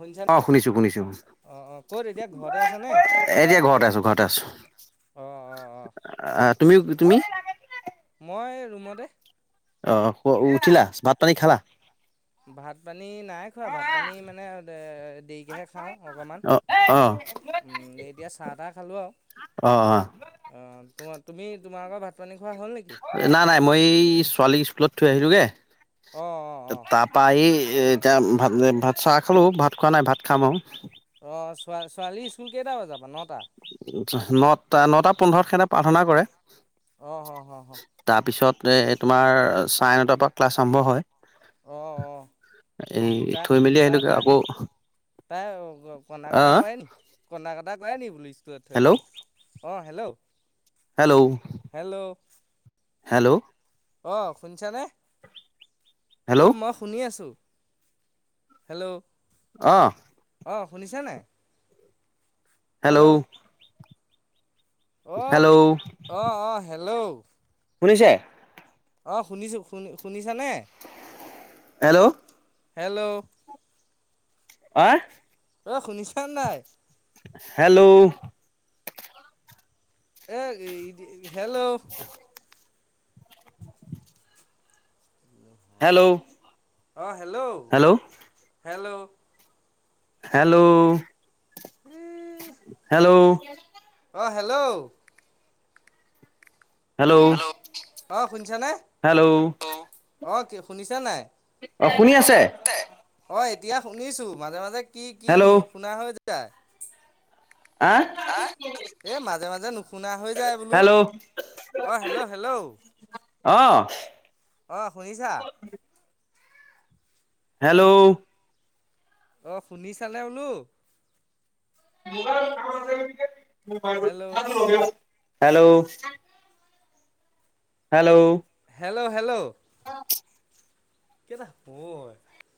শুনিছা নে? অ' শুনিছো-শুনিছো, অ অ ক'ত এতিয়া ঘৰতে আছানে এতিয়া ঘৰতে আছো ঘৰতে আছো, অ অ অ তুমিও তুমি? মই ৰুমতে অ। অ, উঠিলা ভাত পানী খালা ভাত পানী নাই খোৱা ভাত পানী মানে দেৰিকেহে খাওঁ অকণমান অ অ উম এতিয়া চাহ তাহ খালোঁ আৰু অ অ অ তো। তুমি তোমাৰ লোকৰ ভাত পানী। নাই-নাই মই এই ছোৱালী স্কুলত। থৈ আহিলোঁগে। অ অ ত অ তাপা এই। এতিয়া ভাত ভাত চাহ খালোঁ ভাত খোৱা নাই ভাত খাম আৰু। অ' চোৱা-ছোৱালী স্কুল কেইটা বজাৰ পৰা নটা? নটা-নটা পোন্ধৰত হেতে প্ৰাৰ্থনা কৰে। অ হ-হ। যে তোমাৰ চাৰে নটাৰ পৰা ক্লাছ আৰম্ভ হয়। অঁ-অঁ, এই থৈ মেলি আহিলোগে আকৌ তাই-তাই-তাই-তাই কন্দা কটা আহ কৰে নেকি কন্দা কটা কৰে নেকি স্কুল থৈ হেল্ল' আহিলে অঁ হেল্ল' হেল্ল' হেল্ল' হেল্ল' অ শুনিছানে? ঐ হেল্ল' মই শুনি আছো। হেল্ল' অহ অঁ শুনিছা নাই? হেল্ল', অ' হেল্ল' অহ-অহ হেল্ল', অুফ [unintelligible] শুনিছে। অ' শুনিছো শুনি শুনিছানে? হেল্ল', হেল্ল', আহ, অ শুনিছা নাই? হেল্ল' [unintelligible] হেল্ল' হেল্ল' অঁ হেল্ল' হেল্ল' হেল্ল' হেল্ল' অঁ হেল্ল' হেল্ল' অঁ শুনিছানে হেল্ল' অঁ কি শুনিছেন নাই অঁ শুনি আছে হয় এতিয়া শুনিছো মাজে মাজে কি কি হেল্ল' নোশুনা হৈ যায় [unintelligible] আহ আঁহ এ মাজে মাজে [unintelligible] নুশুনা হৈ যায় বোলো হেল্ল' অঁ হেল্ল' হেল্ল' অ অঁ শুনিছা হেল্ল' অঁ শুনিচানে বোলো hello [unintelligible] [unintelligible] hello hello hello hello [unintelligible] [unintelligible]